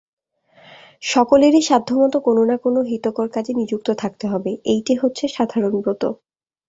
সকলেরই সাধ্যমত কোনো-না-কোনো হিতকর কাজে নিযুক্ত থাকতে হবে– এইটে হচ্ছে সাধারণ ব্রত।